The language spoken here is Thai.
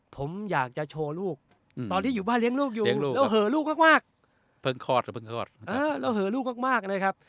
ผมอยากจะโชว์ลูกตอนที่อยู่บ้านเลี้ยงลูกอยู่แล้วเหลือกลูกมากมากแล้วเหลือกลูกมากมากนะครับ